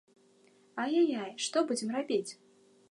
Ай-яй-яй, што будзем рабіць?